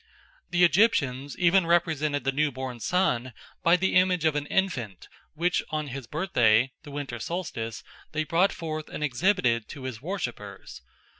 The Egyptians even represented the new born sun by the image of an infant which on his birthday, the winter solstice, they brought forth and exhibited to his worshippers.